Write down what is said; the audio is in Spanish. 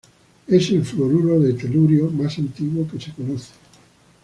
Es el fluoruro de telurio más antiguo que se conoce.